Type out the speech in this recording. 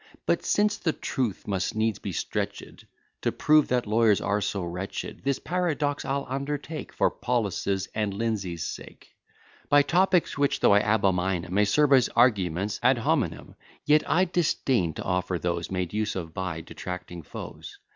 _ But, since the truth must needs be stretched To prove that lawyers are so wretched, This paradox I'll undertake, For Paulus' and for Lindsay's sake; By topics, which, though I abomine 'em, May serve as arguments ad hominem: Yet I disdain to offer those Made use of by detracting foes.